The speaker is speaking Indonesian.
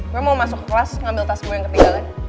gue mau masuk kelas ngambil pakaian